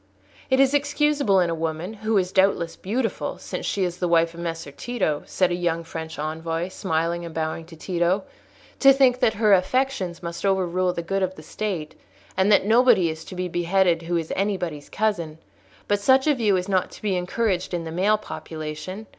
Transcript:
"It is excusable in a woman, who is doubtless beautiful, since she is the wife of Messer Tito," said a young French envoy, smiling and bowing to Tito, "to think that her affections must overrule the good of the State, and that nobody is to be beheaded who is anybody's cousin; but such a view is not to be encouraged in the male population.